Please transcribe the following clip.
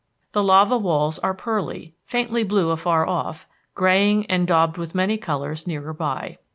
The lava walls are pearly, faintly blue afar off, graying and daubed with many colors nearer by.